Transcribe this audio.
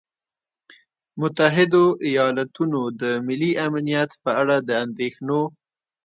متحدو ایالتونو د ملي امنیت په اړه د اندېښنو